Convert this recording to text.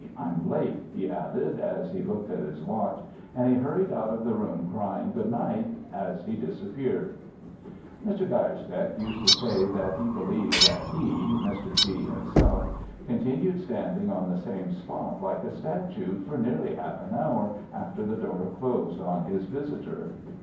I'm late,' he added, as he looked at his watch; and he hurried out of the room, crying 'Good night,' as he disappeared. "Mr. Geierstecke used to say that he believed that he (Mr. G. himself) continued standing on the same spot, like a statue, for nearly half an hour after the door closed on his visitor.